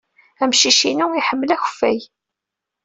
Amcic-inu iḥemmel akeffay.